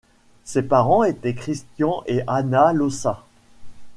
Ses parents étaient Christian et Anna Lossa.